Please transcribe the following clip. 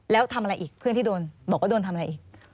แล้วทำอะไรอีกเพื่อนที่โดนบอกว่าโดนทำอะไรอีก